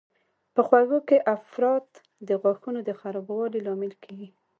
په خوږو کې افراط د غاښونو د خرابوالي لامل کېږي.